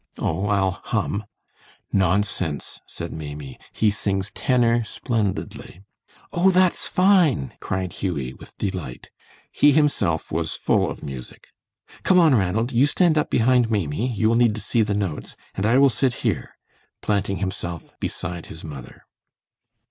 "Oh, I'll hum." "Nonsense," said Maimie, "he sings tenor splendidly." "Oh, that's fine!" cried Hughie, with delight. He himself was full of music. "Come on, Ranald, you stand up behind Maimie, you will need to see the notes; and I will sit here," planting himself beside his mother.